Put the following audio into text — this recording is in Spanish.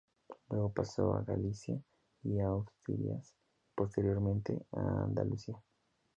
Luego pasó a Galicia y Asturias y posteriormente a Andalucía.